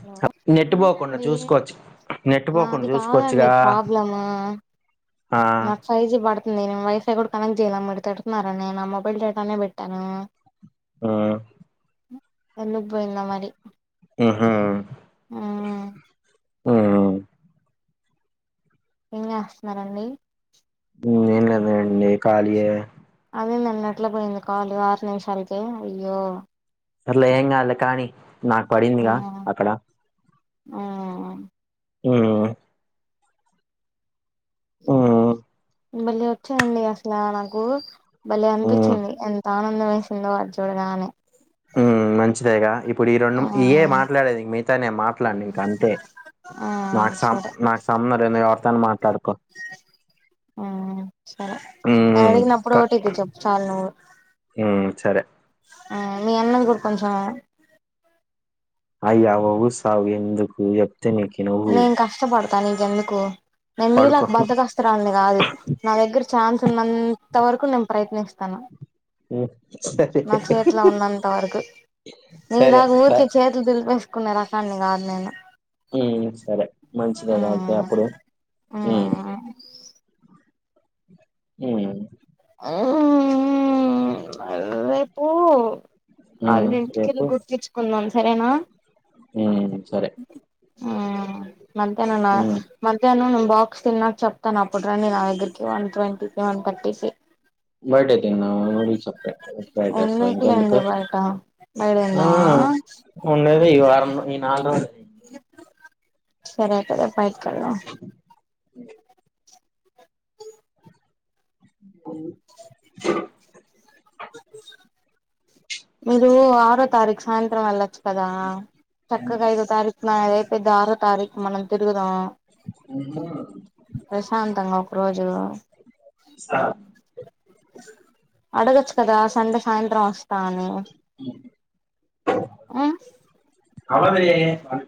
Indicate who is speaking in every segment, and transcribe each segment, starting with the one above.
Speaker 1: Hello
Speaker 2: net పోకుండా
Speaker 1: ఏంటండి
Speaker 2: చూసుకోవచ్చు నెట్ పోకుండా
Speaker 1: నాది కాదండి
Speaker 2: చూసుకోవచ్చుగా
Speaker 1: ప్రాబ్లమ్
Speaker 2: ఆ
Speaker 1: నాకు ఫైవ్ జీ పడుతుంది నేను వైఫ్ కూడా కనెక్ట్ చేయ్యనా మరి తిటడుతున్నారనేే నా మొబైల్ డేటానే పెట్టాను
Speaker 2: ఉ
Speaker 1: ఎందుకు పోయింద మరి
Speaker 2: ఆహా
Speaker 1: మ్మ్
Speaker 2: ఊ
Speaker 1: ఏం జేస్తనారండి
Speaker 2: ఊ ఏమ్ లేదులేండి కాలియే
Speaker 1: నెట్ల పోయింది కాలు ఆరు నిమిషాలకే అయ్యో
Speaker 2: సర్లే ఏంగాద్లే కాణి నాకు పడిందిగా అక్కడ
Speaker 1: ఆ
Speaker 2: ఆ ఆ
Speaker 1: మళ్ళీ వచ్చానండి అసలా నాకు భలే
Speaker 2: ఉ
Speaker 1: అనిపించింది ఎంతా ఆనం లేష్ నిలబడు చూడగానే
Speaker 2: మ్మ్ మంచిదేగా ఇప్పుడు ఈ రెండు
Speaker 1: ఆ
Speaker 2: ఇయ్యే మాట్లాడేది మిగతా నేను మాట్లాడ్నిక అంతే
Speaker 1: ఆ
Speaker 2: నాకు సం నాకు సంమ్మ్ర్ నేన్ ఒస్ తను మాట్లాడు
Speaker 1: ఆ సరే
Speaker 2: ఉ
Speaker 1: నేను అడిగినప్పుడు
Speaker 2: క
Speaker 1: ఓ టీ పి చెప్పు చాలు నువ్వు
Speaker 2: ఉ సరే
Speaker 1: ఆ మీ అన్నయ కూడా కొంచం
Speaker 2: అయి అవ్వవు సావు ఎందుకు చెప్
Speaker 1: నేన్ కష్టపడతా నీకెందుకు నేన్ నీలా
Speaker 2: పడుకో
Speaker 1: బద్దకస్తురాల్ని కాదు నా దగ్గర ఛాన్స్ ఉన్నంత తవరకు నేను ప్రయత్నిస్తాను
Speaker 2: ఏ
Speaker 1: నా చేతిలో ఉన్నంత వరకు
Speaker 2: సరే
Speaker 1: నీలాగ
Speaker 2: సరే
Speaker 1: ఊరికే చేతులు దూల్పేస్క్ కున్న రకాన్ని కాదు నేను
Speaker 2: మ్మ్ సరే మంచిదేగా అయితే
Speaker 1: ఆ
Speaker 2: అప్పుడు మ్మ్
Speaker 1: ఆ రేపూ
Speaker 2: హ్మ్
Speaker 1: అళ్ళ ఇంటికెళ్ళి
Speaker 2: రేపు
Speaker 1: గుర్తేచుకుందాం సరేనా
Speaker 2: హ్మ్ సరే
Speaker 1: మ్మ్ మధ్యాహ్నం నా
Speaker 2: హ్మ్
Speaker 1: మధ్యాహ్నం బాక్స్ తిన్నాక చప్ తను అప్పుడు రాని నా దగ్గరికి వన్ ట్వంటీ ఏమన్ కట్టిసే
Speaker 2: బయట అయితే నా వొడిచ్ తప్పే [unintelligible]
Speaker 1: ఎందుకులేండి
Speaker 2: ఇంకెందుకు
Speaker 1: బయట బయట తిందామా సరే పరా పైక్కదా
Speaker 2: అ అ
Speaker 1: మీరు ఆరో తారీక్ సాయంత్రం ఎళ్ళొచ్చు కదా చక్కగా ఐదో తారీఖు మద్ అదైపోయిది ఆరో తారీఖు మనం తిరుగుదాం
Speaker 2: ఉహుం.
Speaker 1: ప్రశాంతంగా ఒక రోజు
Speaker 2: ఇస్తా.
Speaker 1: అడగచ్చ్ కదా సండే సాయంత్రం వస్తాఅని ఉ
Speaker 2: అదే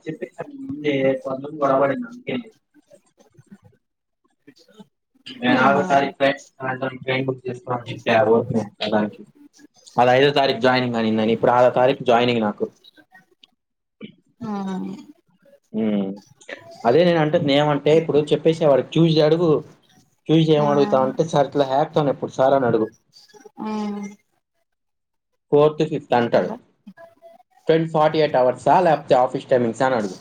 Speaker 2: చెప్పేసాం ముందె ప బరాబర అంతే
Speaker 1: హా
Speaker 2: నేను ఆరో తారీకు పైన సాయంత్రం ట్రైన్ బుక్ చేసిన్నా మళ్ళ ఐదో తారీఖ జాయినింగ్ అని ఇప్పుడు ఆరో తారీఖు జాయినింగ్ నాకు
Speaker 1: మ్మ్
Speaker 2: ఊ అదే నేను అంటుందేమంటే ఇప్పుడు చెప్పేసే వాడికి చూసి అడుగు చూసి ఏమం
Speaker 1: మ్మ్
Speaker 2: అడుగుతావంటే సర్ఇట్ల హ్యాక్ తాను ఎప్పుడు సార్ అని అడుగు
Speaker 1: మ్మ్
Speaker 2: ఫోర్త్ ఫోర్త్ ఫిఫ్త్ అంటాడు
Speaker 1: సరే
Speaker 2: ట్వెంట్ ఫార్టీ ఎయిట్ అవర్స్ సాల ఆప్ ఆఫిస్ టైమింగ్సాఅని అడుగు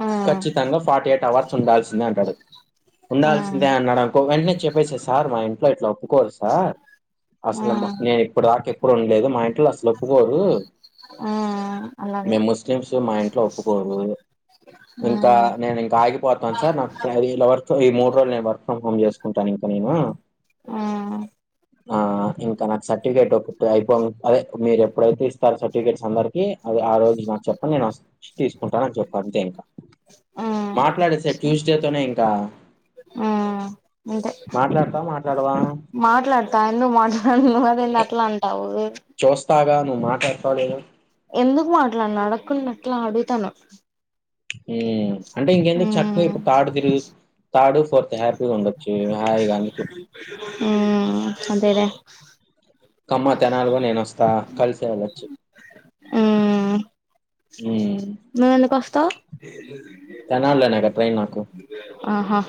Speaker 1: మ్మ్
Speaker 2: ఖచ్చితంగా ఫార్టీ ఎయిట్ అవర్స్ ఉండాల్సిందే అంటడు ఉండాల్సిందే
Speaker 1: మ్మ్
Speaker 2: అన్నాడనుకో వెంటనే చెప్పేసే సార్ మా ఇంట్లో ఇట్లా ఒప్పుకోరు సార్ అసలమ్మా
Speaker 1: మ్మ్
Speaker 2: నేను ఇప్పుడు రాకే ఎప్పుడు ఉండలేదు మా ఇంట్లో అసలోప్పుకోరు
Speaker 1: ఆ అలాగే
Speaker 2: మేము ముస్లిమ్స్ మా ఇంట్లో ఒప్పుకోరు
Speaker 1: ఆ
Speaker 2: ఇంకా నేను ఇంకా ఆగిపోతాను సార్ నాకి అవర్స్ సో ఈ మూడు రోజులు నేనువర్క్ ఫ్రమ్ హోమ్ చేసుకుంటాను ఇంక నేను
Speaker 1: ఆ
Speaker 2: ఆ ఆ ఇంకా నాకు సర్టిఫికేట్ ఒకటే అయిపోతే అదే మీరు ఎప్పుడైతే ఇస్తారో సర్టిఫికేట్స్ అందరి కి అది ఆ రోజు నాకు చెప్పండి నేను వచ్చి తీసుకుంటానని చెప్పాను. అంతే ఇంకా
Speaker 1: ఆ
Speaker 2: మాట్లాడేసేయ్ ట్యూస్డే తోనే ఇం గా
Speaker 1: ఆ అంతే
Speaker 2: మాట్లాడతావా? మాట్లాడవా?
Speaker 1: మాట్లాడతా ఎందుకు మాట్లాడును అది ఏంది అట్లా అంటావు.
Speaker 2: చూస్తాగా నువ్వు మాట్లాడతావో లేదో
Speaker 1: ఎందుకు మాట్లాడను అడకున్న ఎట్లా అడుగుతాను.
Speaker 2: ఊ అంటే ఇంకెందుకు చక్కగా
Speaker 1: మ్మ్
Speaker 2: ఇప్పుడు థర్డు తిరుగు థర్డు ఫోర్త్ త్ హ్యాపీగుండు
Speaker 1: హ్మ్ అదే లే
Speaker 2: కమ్మ తెనాలిగా నేను వస్తా కలిసే వెళ్ళొచ్చు
Speaker 1: నువ్వెందుకొస్తవ్
Speaker 2: తెనాలిలోనేగా ట్రైన్ నాకు.
Speaker 1: ఆహా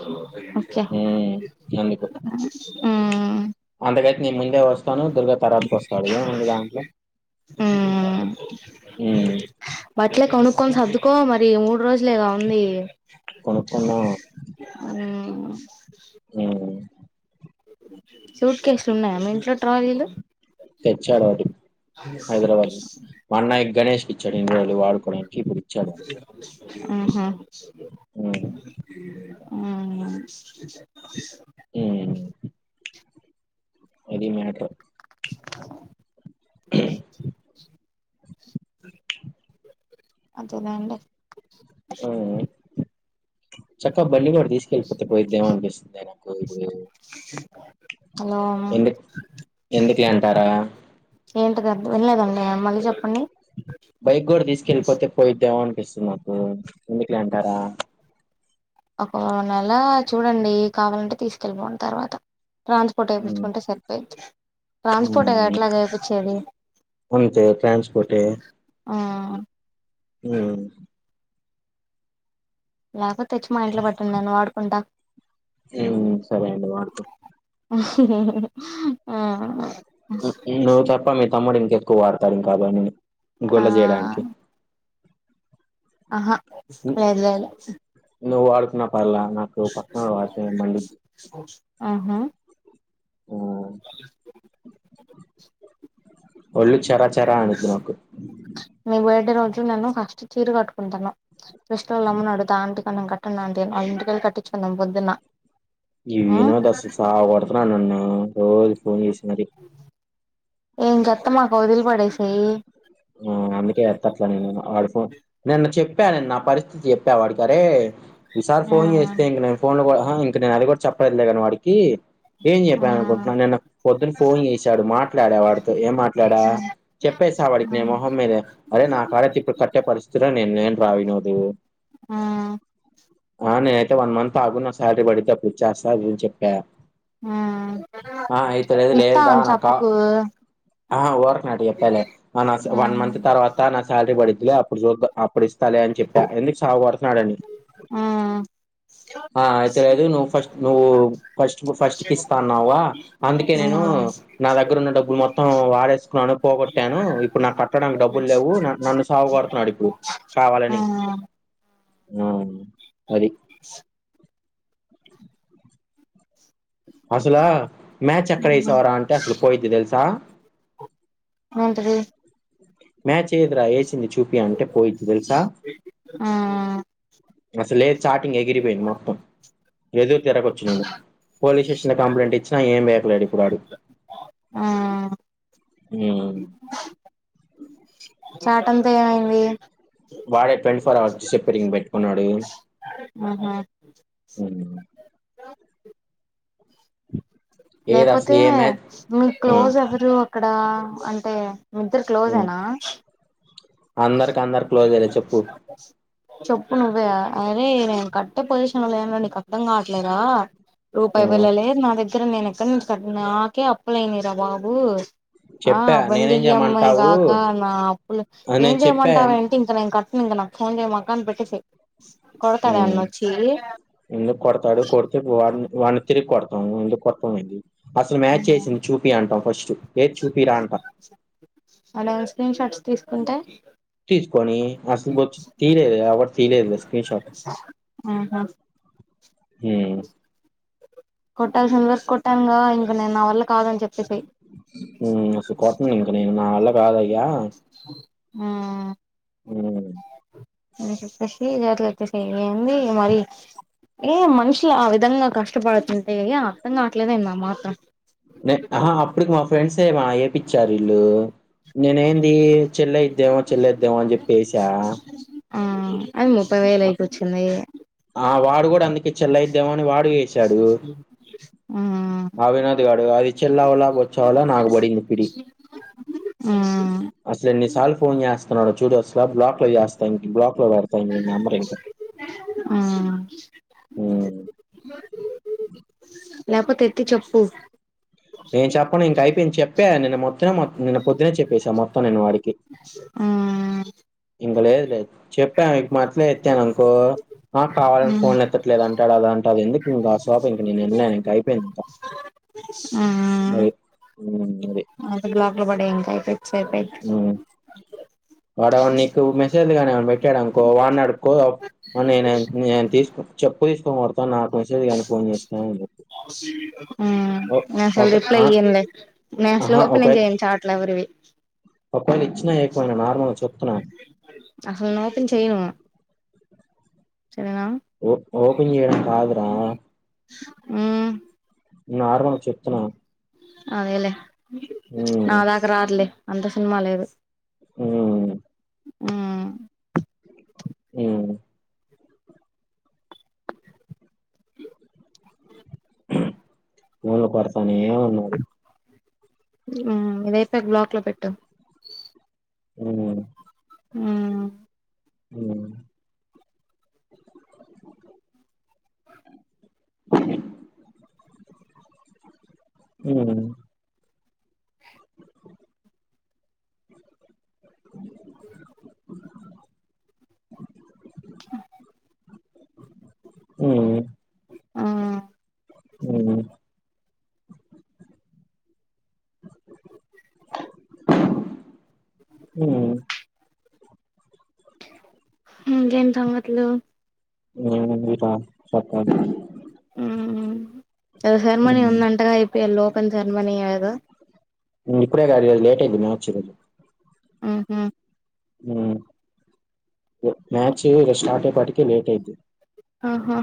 Speaker 1: ఒకే
Speaker 2: హ్మ్. అందుకు.
Speaker 1: హ్మ్
Speaker 2: నీ ముందే వస్ వ‌స్తాను దుర్గ తర్వాత వస్తాడు ఏముంది దాంట్లో ల [inaudible] హ్మ్
Speaker 1: బట్లే కొనుక్కోని సర్దుకో మరి మూడు రోజులేగా ఉంది
Speaker 2: కొనుక్కుందాం
Speaker 1: హ్మ్
Speaker 2: హ్మ్
Speaker 1: సూట్ కేేస్లు ఉన్నాయా మీ ఇంట్లో ట్రాలీలు
Speaker 2: తెచ్చాడు ఒకటి హైదరాబాద్ మా అన్నాయ్ గణేష్ ఇచ్చాడు ఇన్ని రోజులు వాడుకొని
Speaker 1: ఊహూ
Speaker 2: ఉమ్
Speaker 1: స ఊహూ
Speaker 2: హ్మ్ అది మేటరు
Speaker 1: అదే లేండి
Speaker 2: ఓ చక్కగ బండి కూడా తీసుకెళ్ళి పోతే పోయిద్దేమో అనిపిస్తుంది.
Speaker 1: అ
Speaker 2: ఎందు ఎందుకు లే అంటారా
Speaker 1: ఏంటిది వినలేదండి మళ్ళీ చెప్పండి
Speaker 2: బైక్ గూడ తీసుకెళ్ళిపోతే పోయిద్దేమో అన్ పిస్తు మాకు ఎందుకులే అంటారా
Speaker 1: ఒక నెల చూడండి కావాలంటే తీసుకెళ్ళిపోండి తర్వాత ట్రాన్స్పోర్ట్
Speaker 2: ఉమ్
Speaker 1: ఏపించుకుంటే సరిపోయిద్ది. ట్రాన్స్పోర్ట్ అది
Speaker 2: ఉమ్
Speaker 1: ఎట్లాగ ఏపిచ్చేది
Speaker 2: అంతే
Speaker 1: ఆ
Speaker 2: మ్మ్
Speaker 1: లేపో తెచ్ మా ఇంట్లో పెట్టండి నేను వాడుకుంటా
Speaker 2: మ్మ్ సరే అండి వాడుకో
Speaker 1: ఆ
Speaker 2: ను నువ్ చెప్ప మీ తమ్ముడినీ ఎక్కువ వాడతారు ఏమ్ కాదా అండి గొల్ల చేేయడానికి
Speaker 1: ఆహా లేద్ లేదులే
Speaker 2: నువ్ అర్కు నా ప్పర్ళ నాకు పక్కనంలో రాస మండి
Speaker 1: ఆహా [inaudible]
Speaker 2: ఒళ్ళు చెరా చెరా అనిది నోకు
Speaker 1: తు నన్ను ఫస్ట్ చీర కట్టుకుంటన్న ఫస్ట్ లోమ్మని అడుతా ఆంటి కం కట్టండి అంటి అ ఇంటికళ్ళ కట్టించుకుందాం పొద్దున్న
Speaker 2: ఈ వినోద్
Speaker 1: ఆ
Speaker 2: అస్సలు సావ్ కొడుతున్నా నన్ను రోజు పోన్ చేసి మరి
Speaker 1: ఏంకత్త మాకు వదిలి పడేసయి
Speaker 2: ఆ అందుకే ఎత్తట్లా నేను ఆడు పోన్ నిన్న చెప్ చెప్పానిన్న నా పరిస్థితి చెప్పా వాడికరే వి సార్
Speaker 1: ఆ
Speaker 2: ఫోన్ చేస్తే ఇంక నే ఫోన్ లో కూడా ఆహా ఇ ఇంక నేను అది కూడా చెప్పలే కానీ వాడికి ఏం చెప్పాను అనుకుంటున్నా నిన్న పొద్దున ఫోన్ చేసాడు మాట్లాడా వాడితో ఏం మాట్లాడా
Speaker 1: ఆ
Speaker 2: చెప్పేసా వాడి నిమోహం మీదే అరే నా కాడే ఇప్పుడు కట్టే పరిస్థితిలో నేను లేను రా వినోదు
Speaker 1: ఆ
Speaker 2: ఆ నేన అయితే వన్ మంత్ ఆగు న శాలరీ పడితే అప్ ఇచ్చేస్తా అని చెప్పా
Speaker 1: ఆ
Speaker 2: ఆ ఇతులేదు
Speaker 1: ఇస్తాను
Speaker 2: లేదుడాానకా
Speaker 1: చప్పుకు
Speaker 2: ఆహా ఊరక్ అడిప్పలే ఆ న స వన్ మంత్ తర్వాత నా శాలరీ పడిద్లే అప్పుడు చూ అప్పుడు ఇస్తాలే అని చెప్ప ఎందుకు సావ్ న్నాడని
Speaker 1: ఆ
Speaker 2: అయితే లేదు నువ్వు ఫస్ట్ నువ్వు ఫస్ట్ ఫస్ట్ కి ఇస్తా అన్నావు గా అందుకే
Speaker 1: ఆ
Speaker 2: నేను నా దగ్గర ఉన్న డబ్బులు మొత్తం వాడేసుకున్నాను పోగొట్టాను ఇప్పుడు నాకు కట్టడానికి డబ్బులు లేవు. నాక్ నన్ను సావ గొడుతున్నాడు ఇప్పుడు
Speaker 1: ఆ
Speaker 2: కావాలని మ్మ్ అది అసలా మ్యాచ్ ఎక్కడేసావురా అంటే అసలు పోయిద్ది తెలుసా
Speaker 1: ఏంటిది
Speaker 2: మ్యాచ్ ఏదిరా ఏసి ది చూపి అంటే పోయిద్ది తెలుసా
Speaker 1: ఆ
Speaker 2: అసలే చాటింగ్ ఎగిరిపోయింది మొత్తం ఎదురు తిరగొచ్చు నేను పోలీస్ స్టేషన్ లో కంప్లైంట్ ఇచ్చినా ఏం పీకలేడు కురాడు
Speaker 1: ఆ
Speaker 2: హ్మ్
Speaker 1: చాటంతా ఏమైంది
Speaker 2: వాడే ట్వంటీ ఫోర్ అవర్స్ చెపరింగ్ పెట్టుకున్నాడు.
Speaker 1: ఆహా
Speaker 2: హ్మ్. ఏదసలు
Speaker 1: లేపోతే
Speaker 2: ఏ మ్యాచ్
Speaker 1: మీకు
Speaker 2: ఆ!
Speaker 1: క్లోజ్ ఎవరు అక్క్ డా అంటే మీ ఇద్దరు
Speaker 2: హ్మ్.
Speaker 1: క్లోజేనా
Speaker 2: అందరికి అందరు క్లోజేలే చెప్పు
Speaker 1: చెప్పు నువ్వే అరే నేను కట్టే పొజిషన్ లో లేను రా నీకర్దం కాట్లేదా రూపాయి
Speaker 2: హ్మ్.
Speaker 1: బిళ్లలేదు నాదగ్ ఇక్కడ నేను ఎక్కడ నుంచి కట్టను నాకే అప్పులు అయినరా బాబు ఆ
Speaker 2: చెప్పా
Speaker 1: బండి
Speaker 2: నేనేం
Speaker 1: ఈ ఎం ఐ
Speaker 2: చేయమంటావు?
Speaker 1: కాకా నా అప్పులు
Speaker 2: అని
Speaker 1: ఏం
Speaker 2: నేను చెప్పా.
Speaker 1: చేయమంటావేంటి ఇంక నేను కట్టను ఇంక ఫోన్ చేయమాక అని పెట్టేసెయ్.
Speaker 2: హ్మ్ ఎందుకు కొడతాడు కొడితే వాడినే వాడిని తిరిగి కొడతాం ఎందుకు కొట్టం ఏంది అసలు మ్యాచ్ చేసింది చూపి అంటాం ఫస్ట్ ఏది చూపి రా అంటా
Speaker 1: ఉంట
Speaker 2: తీసుకోని అసలు వచ్చి తీయలేదు కాబట్టి తీయలేదులే స్క్రీన్ షాట్
Speaker 1: ఆహా
Speaker 2: హ్మ్
Speaker 1: కొట్టాల్సినంతవరకు కొట్టానుగా ఇంక నేను నా వల్ల కాదని చెప్పేసేయ్.
Speaker 2: మ్మ్ స కొట్నింక నా వళ్ళ కాద అయ
Speaker 1: ఆ
Speaker 2: మ్మ్
Speaker 1: అని చెప్పేసి ఇది అట్లచ్చేసి ఏంది మరి ఏ మనుషులు ఆ విధంగా కష్టపడుతుంటే అర్థం కావట్లేదంది ఆ మాత్రం
Speaker 2: నెట్ న ఆహా అప్పడికి మా ఫ్రెండ్స్ ఏమ ఏపిచ్చారు ఇల్లు నేనేం మ్మ్ చెల్ అయిద్దెమో చెల్ అయిద్దెమో చెప్పేసా
Speaker 1: అవి ముప్పై వేలు అయిక వచ్చింది
Speaker 2: క అందుకి చెల్లయి దమని వాడు వేసాడు
Speaker 1: మ్మ్
Speaker 2: అ వినోద్ గాడు అది చెల్లవళ వోచ్చా ఆవళ్ళ నాకు పడింది పిడి
Speaker 1: ఆ
Speaker 2: అసల ఏన్నిసార్లు ఫోన్ చేస్తున్నాడో చూడు వస్ స బ్లాక్లై చేస్తా ఇంక్ బ్లాక్ ఇతా నమరంకా
Speaker 1: మ్మ్ లేపోతే ఎత్తి చెప్పు
Speaker 2: నేను చెప్పను ఇంక అయిపోయింది చెప్పా నిన్న మొత్తం నిన్న పొద్దునే చెప్పేసా మొత్తం నేను వాడికి
Speaker 1: మ్మ్
Speaker 2: ఇంక లేద్ లేద్ చెప్పా మీకు మాట్లే ఇచ్చానుంత పో ఆ కావాలని
Speaker 1: మ్మ్
Speaker 2: ఫోన్ ఎత్తట్లేదు అంటాడు అద అంటే అది ఎందుకు ఇంకా ఆ శాప ఇంక నేను వెళ్ళినను ఇంక అయిపోయింది ఇంకా
Speaker 1: ఆ
Speaker 2: ఉన్ మరి
Speaker 1: అ బ్లాక్ లో పడే ఇంకా అయితే ప పయి
Speaker 2: వాడవ నీకు మెసేజ్లు గని ఎమన్ పెట్టాడ అనుకో వాడినే అడుకో న న చెప్పు తీసుకోన్ కొడ్
Speaker 1: మ్మ్
Speaker 2: ఓ
Speaker 1: నే అసలు
Speaker 2: ఓకే.
Speaker 1: రిప్లై
Speaker 2: ఆ!
Speaker 1: ఇయ్యానులే నేన్ అసలు
Speaker 2: అహా!
Speaker 1: ఓపెనే చేయయను చాట్ల ఎవరివి
Speaker 2: వాళ్ళు ఇచ్చినా ఏకమైైన నార్మల్ చెప్తున్నా
Speaker 1: అసలు నేను ఓపెన్ చేయను సరేనా
Speaker 2: ఓ ఓపెన్ చేయడం కాదురా.
Speaker 1: మ్మ్
Speaker 2: నార్మల్ చెప్తున్నా
Speaker 1: అవేలే
Speaker 2: హ్మ్
Speaker 1: నాదాక రాారులే అంత సినిమా లేదు
Speaker 2: ఓ
Speaker 1: ఆ
Speaker 2: అ మఊళ్ పరతాని ఏ ఉన్నా అది
Speaker 1: ఇదైపో బ్లాక్ లో పెట్టటు
Speaker 2: ఉ
Speaker 1: ఆ
Speaker 2: అ అ
Speaker 1: అ
Speaker 2: అ
Speaker 1: ఆ
Speaker 2: ఉ హ
Speaker 1: ఇంకేం సంగట్లు
Speaker 2: చెప్ప
Speaker 1: ఉ అది సెర్మనీ
Speaker 2: హ్మ్
Speaker 1: ఉందంటగా అయిపోయాాల ఓపెన్ సెర్మనీ అదు
Speaker 2: చెచ్చ
Speaker 1: ఆహ
Speaker 2: మ్యాచ్ స్టార్ట్ అయిప్పటిక లేట్ అయితే
Speaker 1: ఆహో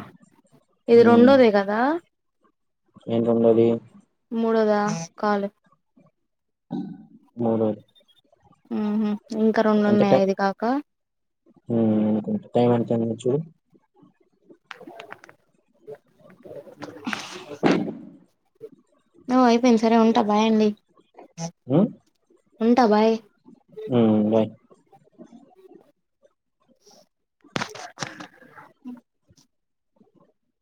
Speaker 1: ఇది రెండోదే కదా
Speaker 2: ఏంటండది
Speaker 1: మూడదా కాలు
Speaker 2: బ
Speaker 1: ఆ ఇంకా రెండు ఉన్నాయి అది కాక
Speaker 2: అనుకుంట టైం అతు చూ
Speaker 1: నువ్ అయిపోయింది సరే ఉంటా బాయండి
Speaker 2: అ
Speaker 1: ఉంటా బాయ్
Speaker 2: ఉ బాయ్
Speaker 1: అ